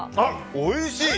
おいしい！